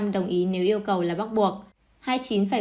bảy sáu đồng ý nếu yêu cầu là bắt buộc